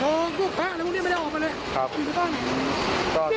พวกโทษพวกแพ้อะไรพวกนี้ไม่ได้ออกมาเลย